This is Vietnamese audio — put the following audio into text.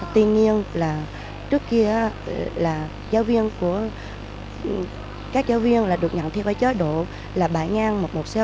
tuy nhiên trước kia các giáo viên được nhận theo chế độ bãi ngang một trăm một mươi sáu